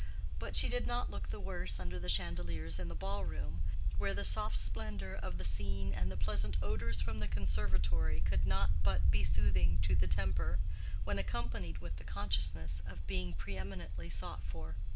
But she did not look the worse under the chandeliers in the ball room, where the soft splendor of the scene and the pleasant odors from the conservatory could not but be soothing to the temper, when accompanied with the consciousness of being preeminently sought for.